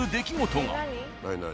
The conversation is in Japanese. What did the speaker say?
何何？